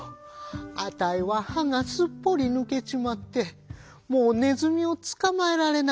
あたいははがすっぽりぬけちまってもうネズミをつかまえられない。